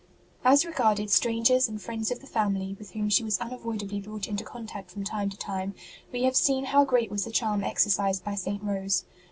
As regarded strangers and friends of the family with whom she was unadvoidably brought into contact from time to time, we have seen how 74 ST ROSE OF LIMA great was the charm exercised by St. Rose.